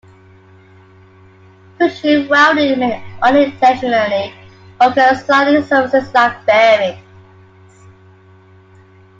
Friction welding may unintentionally occur at sliding surfaces like bearings.